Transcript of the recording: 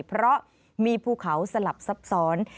เพราะมีภูเขาสลับซับซ้อน